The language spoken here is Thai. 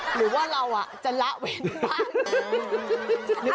หรือว่าเราจะละเว้นบ้าง